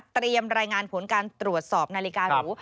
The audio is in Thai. เตรียมรายงานผลการตรวจสอบนาฬิการุ